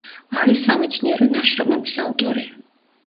არის სამეცნიერო ნაშრომების ავტორი.